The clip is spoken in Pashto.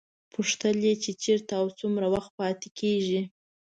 پوښتل یې چې چېرته او څومره وخت پاتې کېږي.